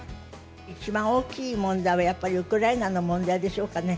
一番大きい問題はやっぱりウクライナの問題でしょうかね。